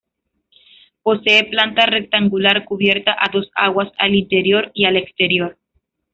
Posee planta rectangular cubierta a dos aguas al interior y al exterior.